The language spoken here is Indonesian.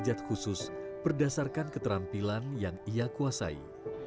dan kebijak khusus berdasarkan keterampilan yang ia kuasai